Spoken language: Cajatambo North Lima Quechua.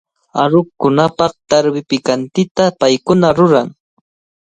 Aruqkunapaq tarwi pikantita paykuna ruran.